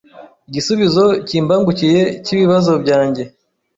Igisubizo kimbangukiye cy’ibibazo byanjye